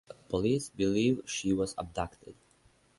Police believe she was abducted.